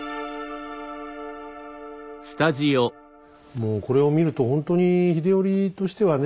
もうこれを見るとほんとに秀頼としてはね